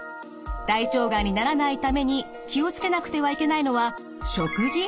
大腸がんにならないために気を付けなくてはいけないのは食事？